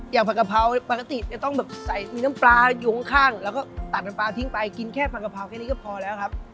ผัดกะเพราปกติจะต้องแบบใส่มีน้ำปลาอยู่ข้างแล้วก็ตัดน้ำปลาทิ้งไปกินแค่ผัดกะเพราแค่นี้ก็พอแล้วครับ